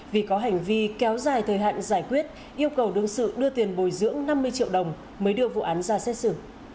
vì có hành vi kéo dài thời hạn giải quyết yêu cầu đương sự đưa tiền bồi dưỡng năm mươi triệu đồng mới đưa vụ án ra xét xử